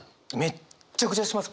めっちゃくちゃします